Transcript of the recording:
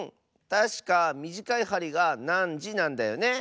たしかみじかいはりが「なんじ」なんだよね。